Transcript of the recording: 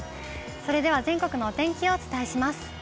それでは全国のお天気をお伝えします。